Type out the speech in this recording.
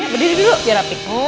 biar rapih dulu